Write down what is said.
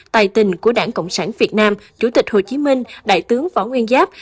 tài tình của đảng cộng sản việt nam chủ tịch hồ chí minh đại tướng võ nguyên giáp